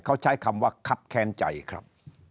เขาใช้คำว่าคับแค้นใจครับ